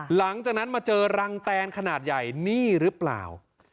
หลังจากนั้นมาเจอรังแตนขนาดใหญ่นี่หรือเปล่า